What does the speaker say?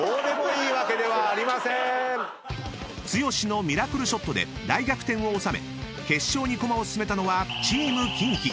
［剛のミラクルショットで大逆転を収め決勝に駒を進めたのはＴＥＡＭＫｉｎＫｉ］